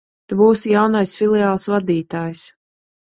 Tu būsi jaunais filiāles vadītājs.